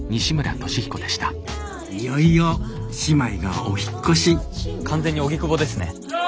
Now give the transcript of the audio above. いよいよ姉妹がお引っ越し完全に荻窪ですね。